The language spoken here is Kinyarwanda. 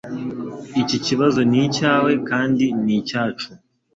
Iki kibazo ni icyawe kandi ni icyacu.